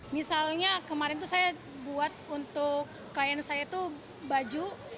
misalnya kemarin saya buat untuk klien saya baju